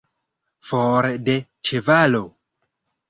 For de ĉevalo!